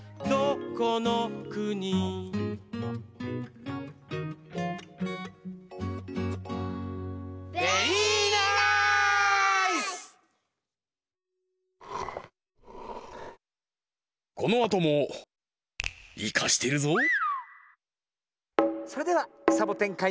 どうぞ。